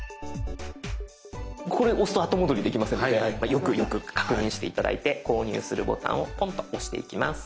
これ押すと後戻りできませんのでよくよく確認して頂いて「購入する」ボタンをポンと押していきます。